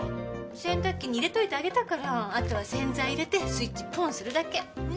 洗濯機に入れといてあげたからあとは洗剤入れてスイッチポンするだけ。ね。